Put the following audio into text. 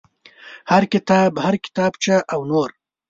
هر کتاب هر کتابچه او نور.